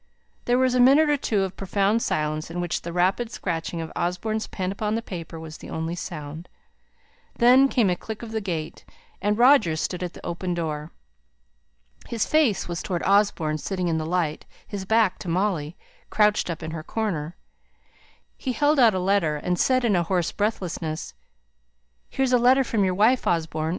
There was a minute or two of profound silence, in which the rapid scratching of Osborne's pen upon the paper was the only sound. Then came a click of the gate, and Roger stood at the open door. His face was towards Osborne, sitting in the light; his back to Molly, crouched up in her corner. He held out a letter, and said in hoarse breathlessness "Here's a letter from your wife, Osborne.